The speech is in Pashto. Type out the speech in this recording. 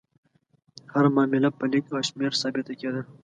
هره معامله په لیک او شمېر ثابته کېده.